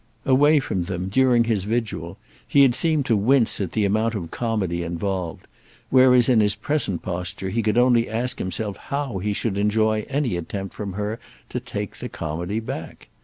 Away from them, during his vigil, he had seemed to wince at the amount of comedy involved; whereas in his present posture he could only ask himself how he should enjoy any attempt from her to take the comedy back.